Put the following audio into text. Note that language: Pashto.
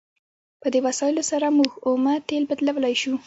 په دې وسایلو سره موږ اومه تیل بدلولی شو.